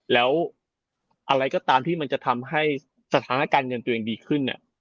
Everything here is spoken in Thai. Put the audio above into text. แล้วอะไรก็ตามที่มันจะทำให้สถานการณ์เงินตัวเองดีขึ้น